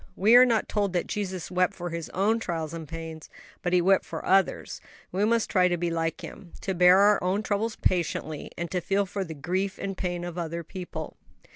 We are not told that Jesus wept for His own trials and pains; but He wept for others. We must try to be like Him; to bear our own troubles patiently, and to feel for the grief and pain of other people.